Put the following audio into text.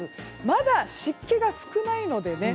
まだ湿気が少ないのでね